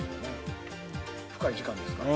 深い時間ですからね。